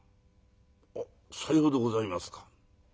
「あっさようでございますか」。